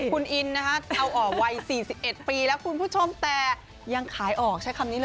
คุณอินนะฮะเอาออกวัย๔๑ปีแล้วคุณผู้ชมแต่ยังขายออกใช้คำนี้นะ